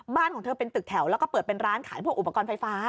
ของเธอเป็นตึกแถวแล้วก็เปิดเป็นร้านขายพวกอุปกรณ์ไฟฟ้า